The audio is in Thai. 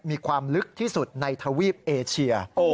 มีความลึกที่สุดในทวีปเอเชีย